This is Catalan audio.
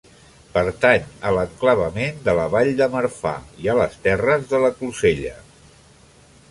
Pertany a l'enclavament de la Vall de Marfà i a les terres de la Closella.